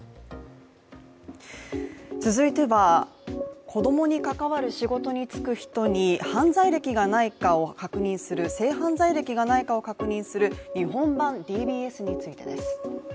続いては子供に関わる仕事に就く人に性犯罪歴がないかを確認する日本版ＤＢＳについてです。